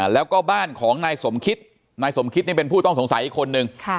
แล้วก็บ้านของนายสมคิดนายสมคิตนี่เป็นผู้ต้องสงสัยอีกคนนึง